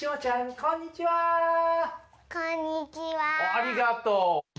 ありがとう。